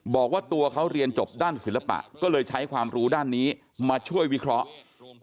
บอกว่าตัวเขาเรียนจบด้านศิลปะก็เลยใช้ความรู้ด้านนี้มาช่วยวิเคราะห์